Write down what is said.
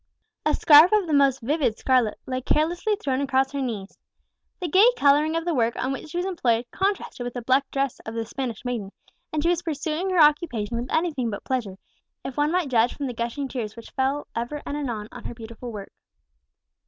A scarf of the most vivid scarlet lay carelessly thrown across her knees. The gay colouring of the work on which she was employed contrasted with the black dress of the Spanish maiden; and she was pursuing her occupation with anything but pleasure, if one might judge from the gushing tears which ever and anon fell on her beautiful work.